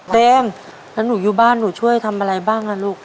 แดงแล้วหนูอยู่บ้านหนูช่วยทำอะไรบ้างอ่ะลูก